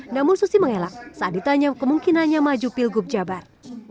namun susi mengelak saat ditanya kemungkinannya maju pilgub jabar